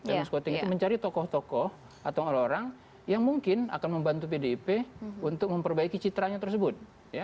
dalam scouting itu mencari tokoh tokoh atau orang orang yang mungkin akan membantu pdip untuk memperbaiki citranya tersebut